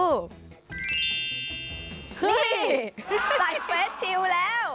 นี่ใส่เฟสชิลแล้ว